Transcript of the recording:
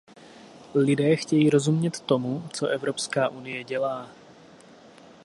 Lidé chtějí rozumět tomu, co Evropská unie dělá.